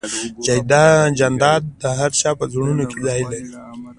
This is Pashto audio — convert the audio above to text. جانداد د هر چا په زړونو کې ځای لري.